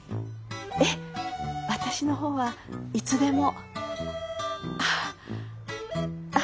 ええ私の方はいつでも。